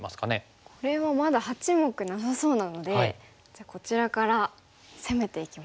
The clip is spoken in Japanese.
これはまだ八目なさそうなのでじゃあこちらから攻めていきますか。